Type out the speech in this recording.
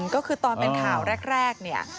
ก็คือตอนเป็นข่าวแรกเนี่ย